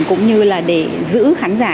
cũng như là để giữ khán giả